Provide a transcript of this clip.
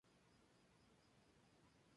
Si siguen apareciendo, ya se acabarán.